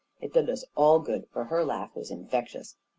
It did us all good, for her laugh was infectious